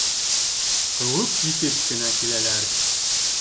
Ҡыуып етеп кенә киләләр.